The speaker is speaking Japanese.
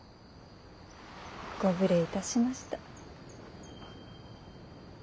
ご無礼いたしました。